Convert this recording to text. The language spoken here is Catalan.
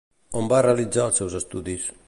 On va realitzar els seus estudis?